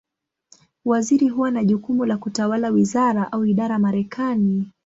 Waziri huwa na jukumu la kutawala wizara, au idara Marekani.